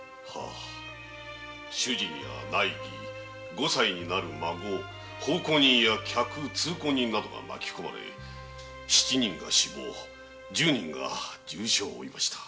主人と内儀五歳になる孫奉公人や客通行人などが巻き込まれ七人が死亡し十人が重傷を負いました。